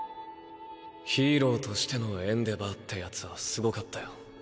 ヒーローとしてのエンデヴァーって奴は凄かったよ。